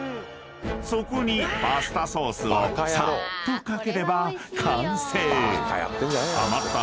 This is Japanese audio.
［そこにパスタソースをさっと掛ければ完成］